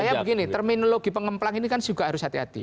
saya begini terminologi pengemplang ini kan juga harus hati hati